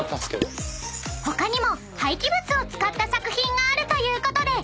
［他にも廃棄物を使った作品があるということで特別に］